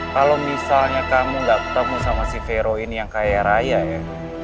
kalau misalnya kamu gak ketemu sama si vero ini yang kaya raya ya